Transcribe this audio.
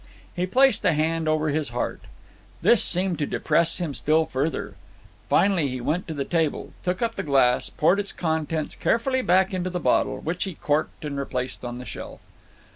He placed a hand over his heart. This seemed to depress him still further. Finally he went to the table, took up the glass, poured its contents carefully back into the bottle, which he corked and replaced on the shelf.